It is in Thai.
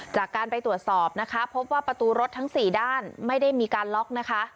จากการไปตรวจสอบนะคะพบว่าประตูรถทั้ง๔ด้านไม่ได้มีการล็อกนะคะ